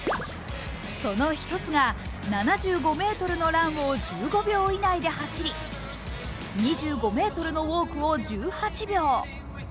その１つが７５ｍのランを１５秒以内で走り、２５ｍのウオークを１８秒。